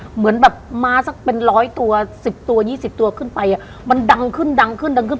เหมือนแบบม้าสักเป็นร้อยตัว๑๐ตัว๒๐ตัวขึ้นไปมันดังขึ้นดังขึ้นดังขึ้น